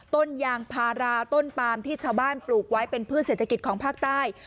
ต้นยางพาราต้นปามที่ชาวบ้านปลูกไว้เป็นพืชเศรษฐกิจของภาคใต้